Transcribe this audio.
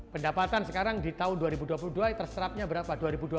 pendapatan sekarang di tahun dua ribu dua puluh dua terserapnya berapa